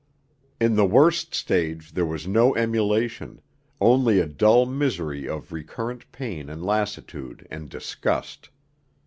In the worst stage there was no emulation, only a dull misery of recurrent pain and lassitude and disgust.